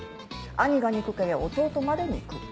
兄が憎けりゃ弟まで憎い。